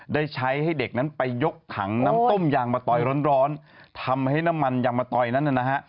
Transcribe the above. ได้ใช้ให้เด็กนั้นไปยกถังน้ำต้มยางมาตอยร้อนทำให้น้ำมันยางมะตอยนั้นนะฮะ